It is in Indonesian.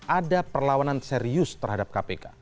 ada perlawanan serius terhadap kpk